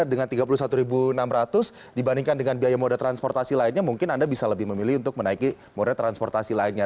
dengan rp tiga puluh satu enam ratus dibandingkan dengan biaya moda transportasi lainnya mungkin anda bisa lebih memilih untuk menaiki moda transportasi lainnya